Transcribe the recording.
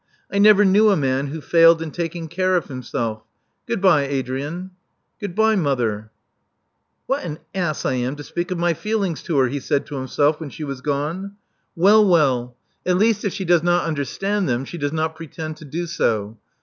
I never knew a man who failed in taking care of himself. Goodbye, Adrian." Goodbye, mother." What an ass I am to speak of my feelings to her!" he said to himself, when she was gone. Well, well: 342 Love Among the Artists at least if she does not understand them, she does not pretend to do so.